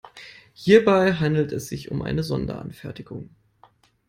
Hierbei handelt es sich um eine Sonderanfertigung.